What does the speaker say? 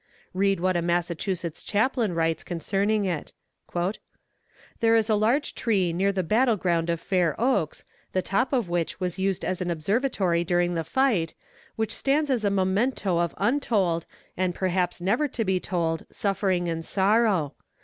Read what a Massachusetts chaplain writes concerning it: "There is a large tree near the battle ground of Fair Oaks, the top of which was used as an observatory during the fight, which stands as a memento of untold, and perhaps never to be told, suffering and sorrow.